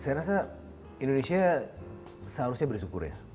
saya rasa indonesia seharusnya bersyukur ya